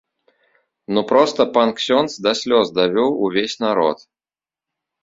Ну проста пан ксёндз да слёз давёў увесь народ.